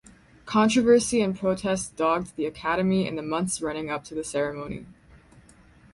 Controversy and protests dogged the Academy in the months running up to the ceremony.